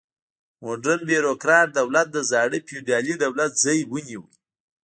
موډرن بیروکراټ دولت د زاړه فیوډالي دولت ځای ونیو.